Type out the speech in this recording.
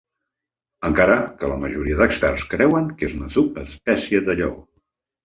Encara que la majoria d'experts creuen que és una subespècie de lleó.